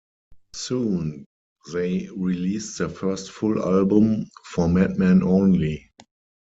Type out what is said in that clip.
Soon, they released their first full album,"For Madmen Only".